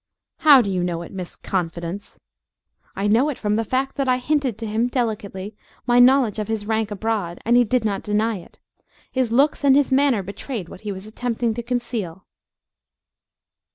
"How do you know it, Miss Confidence?" "I know it from the fact that I hinted to him, delicately, my knowledge of his rank abroad, and he did not deny it. His looks and his manner betrayed what he was attempting to conceal."